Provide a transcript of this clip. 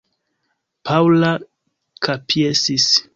Paŭla kapjesis.